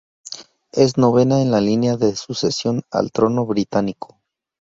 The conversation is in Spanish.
Es novena en la línea de sucesión al trono británico.